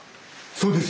そうです。